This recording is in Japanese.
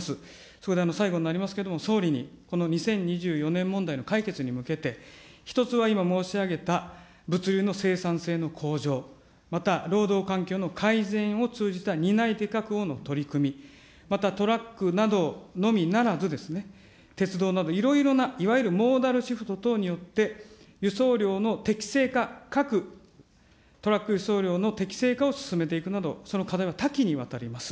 そこで最後になりますので、総理にこの２０２４年問題の解決に向けて、１つは今申し上げた物流の生産性の向上、また労働環境の改善を通じた担い手確保の取り組み、またトラックなどのみならず、鉄道などいろいろな、いわゆるモーダルシフト等によって輸送料の適正化、各トラック輸送量の適正化を進めていくなど、その課題は多岐にわたります。